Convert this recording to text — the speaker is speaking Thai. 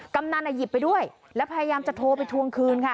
กำนันอ่ะหยิบไปด้วยแล้วพยายามจะโทรไปทวงคืนค่ะ